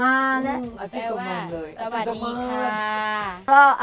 อายุเท่าไรคะ